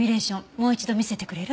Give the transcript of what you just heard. もう一度見せてくれる？